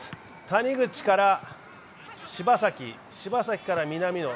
谷口から柴崎、柴崎から南野。